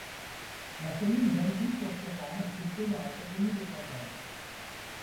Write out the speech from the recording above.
La commune d'Alby-sur-Chéran est située dans l'académie de Grenoble.